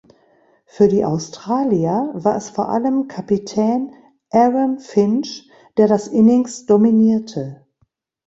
Für die Australier war es vor allem Kapitän Aaron Finch der das Innings dominierte.